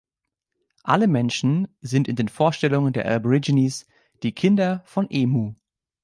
Alle Menschen sind in den Vorstellungen der Aborigines die Kinder von Emu.